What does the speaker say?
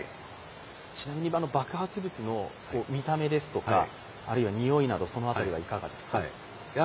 ちなみに今の爆発物の見た目ですとか、あるいはにおいなど、その辺りはいかがですか？